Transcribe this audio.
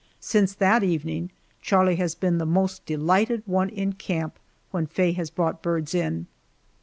Since that evening Charlie has been the most delighted one in camp when Faye has brought birds in.